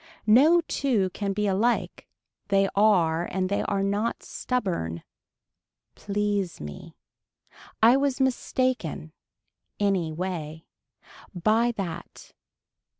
No two can be alike. They are and they are not stubborn. Please me. I was mistaken. Any way. By that.